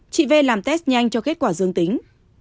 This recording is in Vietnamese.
chị v làm test nhanh cho kết quả dương tính